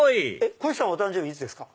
こひさんお誕生日いつですか？